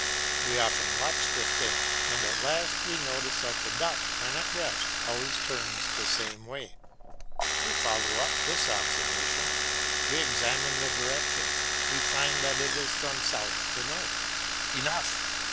We often watch the thing and at last we notice that the duck, when at rest, always turns the same way. We follow up this observation; we examine the direction, we find that it is from south to north. Enough!